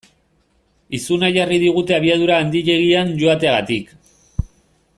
Izuna jarri digute abiadura handiegian joateagatik.